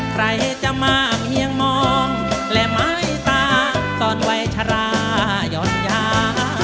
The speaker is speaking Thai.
ใครจะมาเมียงมองและไม้ตาซ่อนไว้ฉราย้อนยา